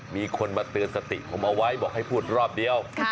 มีคนมาเตือนสติผมเอาไว้บอกให้พูดรอบเดียว